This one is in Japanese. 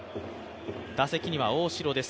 打席には大城です。